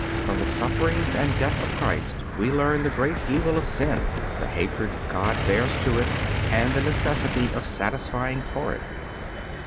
From the sufferings and death of Christ we learn the great evil of sin, the hatred God bears to it, and the necessity of satisfying for it.